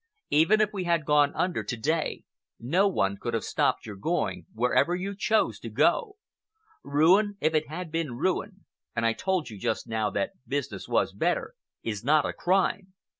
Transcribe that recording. Even if we had gone under to day, no one could have stopped your going wherever you chose to go. Ruin, even if it had been ruin,—and I told you just now that business was better,—is not a crime.